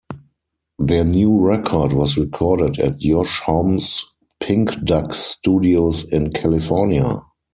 Their new record was recorded at Josh Homme's Pink Duck studios in California.